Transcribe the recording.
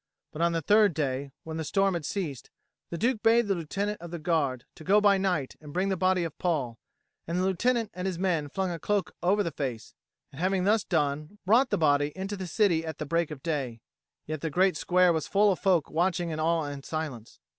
But on the third day, when the storm had ceased, the Duke bade the Lieutenant of the Guard to go by night and bring the body of Paul: and the Lieutenant and his men flung a cloak over the face, and, having thus done, brought the body into the city at the break of day: yet the great square was full of folk watching in awe and silence.